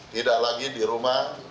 tidak lagi di rumah